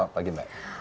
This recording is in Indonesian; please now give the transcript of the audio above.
selamat pagi mbak